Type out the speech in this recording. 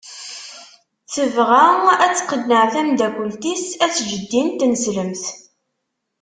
Tebɣa ad tqenneɛ tamdakelt-is ad teǧǧ ddin n tneslemt.